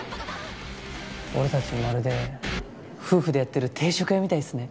俺たちまるで夫婦でやってる定食屋みたいっすね！